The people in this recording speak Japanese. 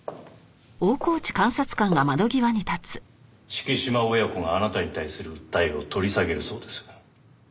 敷島親子があなたに対する訴えを取り下げるそうです。